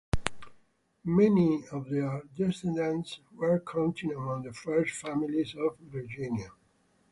Many of their descendants were counted among the First Families of Virginia.